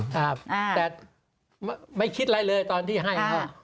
ครับแต่ไม่คิดอะไรเลยตอนที่ให้เขา